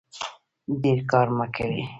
ډیر کار مه کوئ